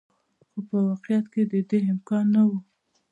خو په واقعیت کې د دې امکان نه و.